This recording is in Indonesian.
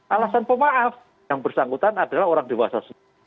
alasan pemaaf yang bersangkutan adalah orang dewasa